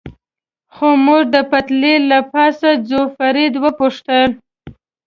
خو موږ د پټلۍ له پاسه ځو، فرید و پوښتل.